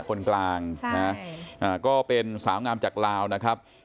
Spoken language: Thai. คนกลางก็เป็นสาวงามจากลาวนะครับ